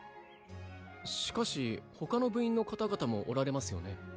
しかし他の部員の方々もおられますよね？